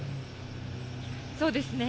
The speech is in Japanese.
そうですね。